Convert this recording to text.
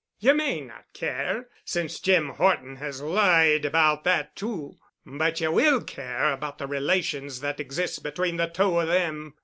"Ye may not care, since Jim Horton has lied about that too, but ye will care about the relations that exist between the two of them."